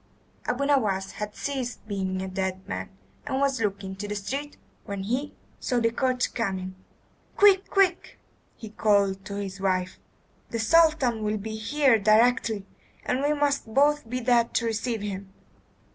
Abu Nowas had ceased being a dead man, and was looking into the street when he saw the coach coming. "Quick! quick!" he called to his wife. "The Sultan will be here directly, and we must both be dead to receive him."